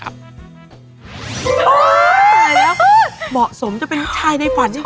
บอกสมเป็นนุชชายในฝันจริง